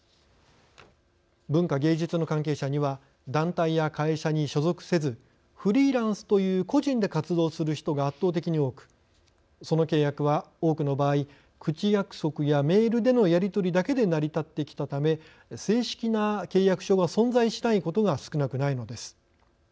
文化芸術の関係者には団体や会社に所属せずフリーランスという個人で活動する人が圧倒的に多くその契約は、多くの場合口約束や、メールでのやり取りだけで成り立ってきたため正式な契約書が存在しないことが少なくないのです。